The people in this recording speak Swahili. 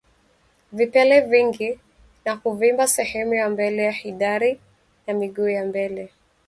Vipele vingi na kuvimba sehemu ya mbele ya kidari na miguu ya mbele